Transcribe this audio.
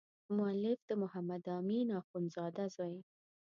مؤلف د محمد امین اخندزاده زوی.